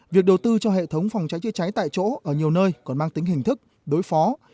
việc đầu tư cho hệ thống phòng cháy chữa cháy tại chỗ ở nhiều nơi còn mang tính hình thức đối phó